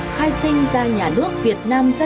khai sinh ra nhà nước việt nam giai đoạn